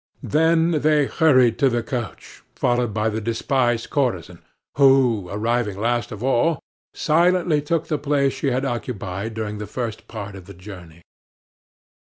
Then they hurried to the coach, followed by the despised courtesan, who, arriving last of all, silently took the place she had occupied during the first part of the journey.